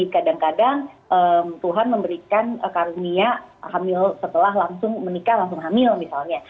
kadang kadang tuhan memberikan karunia hamil setelah langsung menikah langsung hamil misalnya